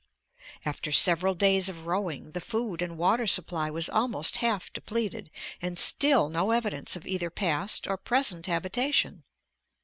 After several days of rowing, the food and water supply was almost half depleted and still no evidence of either past or present habitation.